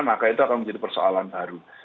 maka itu akan menjadi persoalan baru